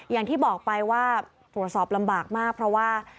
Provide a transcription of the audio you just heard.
อย่างที่บอกไปว่าตรวจสอบลำบากมากเพราะว่า